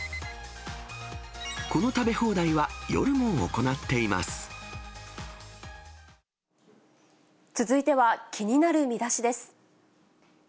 この食べ放題は夜も行ってい続いては気になるミダシです。